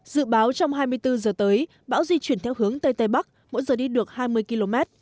dự báo trong hai mươi bốn giờ tới bão di chuyển theo hướng tây tây bắc mỗi giờ đi được hai mươi km